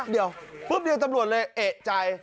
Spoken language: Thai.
เดี๋ยวปุ๊บเดียวตำรวจเลยเอกใจ